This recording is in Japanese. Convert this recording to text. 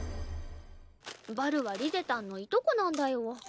バルはリゼたんのいとこなんだよ。